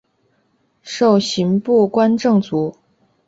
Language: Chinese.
授刑部观政卒。